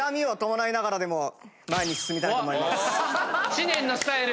知念のスタイル！